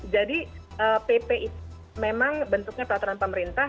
jadi pp itu memang bentuknya peraturan pemerintah